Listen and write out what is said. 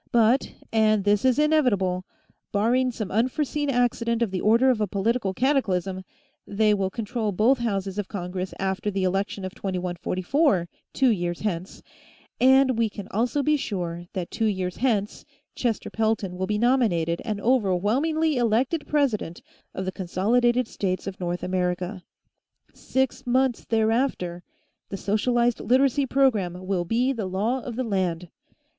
But, and this is inevitable, barring some unforeseen accident of the order of a political cataclysm, they will control both houses of Congress after the election of 2144, two years hence, and we can also be sure that two years hence Chester Pelton will be nominated and overwhelmingly elected president of the Consolidated States of North America. Six months thereafter, the socialized Literacy program will be the law of the land.